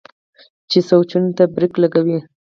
چې سوچونو ته برېک لګوي